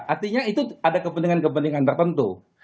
artinya itu ada kepentingan kepentingan tertentu